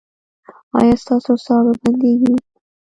ایا ستاسو ساه به بندیږي؟